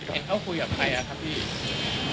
มีเค้าคุยกับใครครับพี่